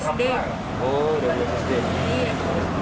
oh sepuluh tahun